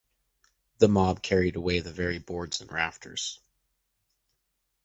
The mob carried away the very boards and rafters.